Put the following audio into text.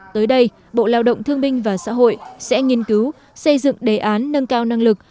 tới đây bộ lao động thương minh và xã hội sẽ nghiên cứu xây dựng đề án nâng cao năng lực